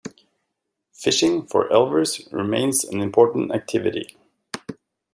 Fishing for elvers remains an important activity.